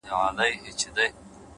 o له دې نه مخكي چي ته ما پرېږدې؛